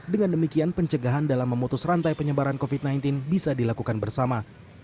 dengan demikian pencegahan dalam memutus rantai penyebaran covid sembilan belas bisa dilakukan bersama